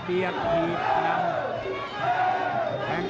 เปียกถีดนำ